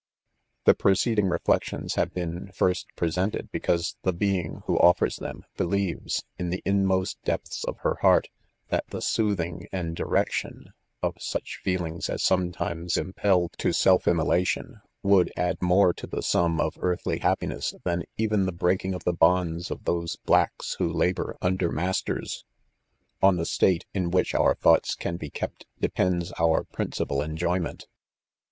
The preceding reflections have "been first presented, because the being who offers them believes, in the inmost depths of her heart, that the soothing and direction/ of such, feelings as sometimes impel to self immolation, wpuld add more to the sum of earthly happiness, than even the breaking of the bonds of those blades wh© labour undep . PREFACE* Jcili •masters, On, the state in whieh our thoughts can be kept, depends our principal enjoyment.